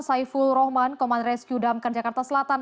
saiful rohman komandres yudamkan jakarta selatan